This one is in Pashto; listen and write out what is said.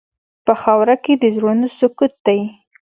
په خاوره کې د زړونو سکوت دی.